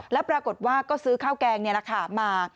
แล้วปรากฏว่าก็ซื้อข้าวแกงนี่แหละค่ะมา